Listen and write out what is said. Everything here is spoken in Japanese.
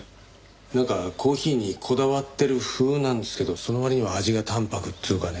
なんかコーヒーにこだわってる風なんですけどその割には味が淡泊っつうかね。